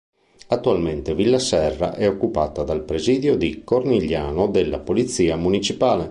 Attualmente Villa Serra è occupata dal presidio di Cornigliano della Polizia Municipale.